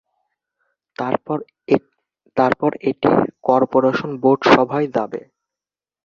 তারপর এটি করপোরেশনের বোর্ড সভায় যাবে।